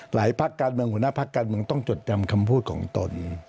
หลายภาคนาคกรพาคนต้องจดจำคำพูดของตน